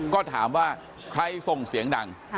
ก็ถามว่าใครส่งเสียงดัง